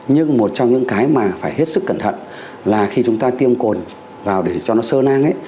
nhưng một trong những cái mà phải hết sức cẩn thận là khi chúng ta tiêm cồn vào để cho nó sơ nang